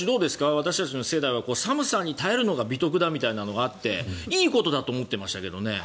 私たちの世代は寒さに耐えるのが美徳だみたいなことがあっていいことだと思ってましたけどね。